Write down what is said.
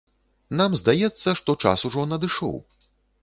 Нам здаецца, што час ужо надышоў.